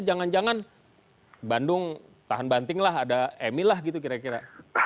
jangan jangan bandung tahan banting lah ada emil lah gitu kira kira